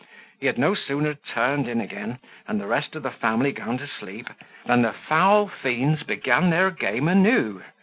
He had no sooner turned in again, and the rest of the family gone to sleep, than the foul fiends began their game anew.